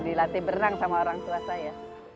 dilatih berang sama orang tua saya